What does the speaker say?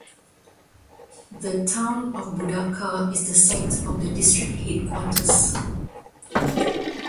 The town of Budaka is the site of the district headquarters.